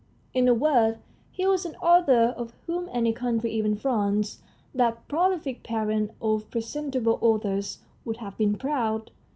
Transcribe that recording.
In a word, he was an author of whom any country even France, that prolific parent of presentable authors would have been proud.